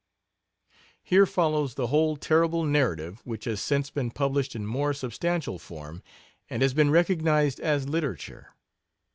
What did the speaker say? Here follows the whole terrible narrative, which has since been published in more substantial form, and has been recognized as literature.